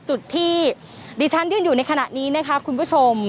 จุดที่ดิฉันยืนอยู่ในขณะนี้นะคะคุณผู้ชม